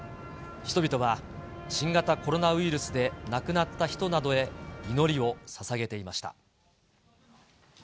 人々は新型コロナウイルスで亡くなった人などへ、祈りをささげていました。